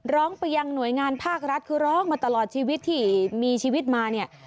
ร้องไปยังหน่วยงานภาครัฐคือร้องมาตลอดชีวิตที่มีชีวิตมาเนี่ย